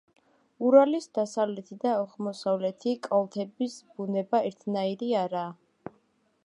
ურალის დასავლეთი და აღმოსავლეთი კალთების ბუნება ერთნაირი არაა.